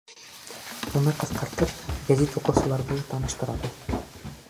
Уны ҡыҫҡартып, гәзит уҡыусыларҙы ла таныштырабыҙ.